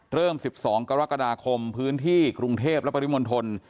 ๑๒กรกฎาคมพื้นที่กรุงเทพและปริมณฑล